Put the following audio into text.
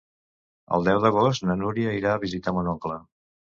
El deu d'agost na Núria irà a visitar mon oncle.